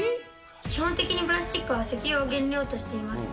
基本的にプラスチックは石油を原料としています。